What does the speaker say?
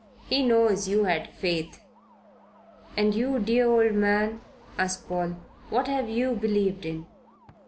He knows you had faith." "And you, dear old man?" asked Paul, "what have you believed in?"